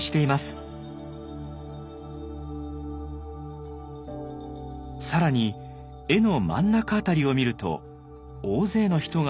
更に絵の真ん中辺りを見ると大勢の人が何かをしています。